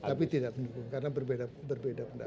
tapi tidak mendukung karena berbeda pendapat